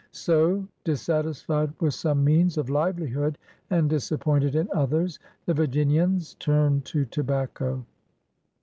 '' So> dissatisfied with some means of livelihood and disappointed in others, the Virginians turned to tobacco.